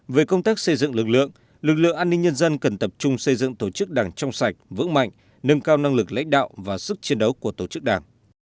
về công tác xây dựng lực lượng lực lượng an ninh nhân dân cần tập trung xây dựng tổ chức đảng trong sạch vững mạnh nâng cao năng lực lãnh đạo và sức chiến đấu của tổ chức đảng